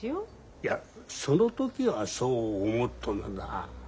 いやその時はそう思ってもだ